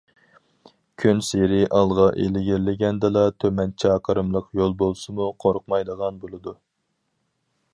كۈنسېرى ئالغا ئىلگىرىلىگەندىلا، تۈمەن چاقىرىملىق يول بولسىمۇ قورقمايدىغان بولىدۇ.